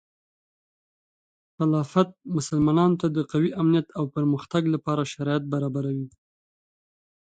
خلافت مسلمانانو ته د قوي امنیت او پرمختګ لپاره شرایط برابروي.